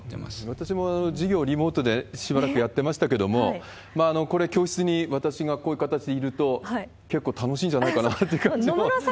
私も授業をリモートでしばらくやってましたけれども、これ、教室に私がこういう形でいると、結構楽しいんじゃないかなという感じもしますね。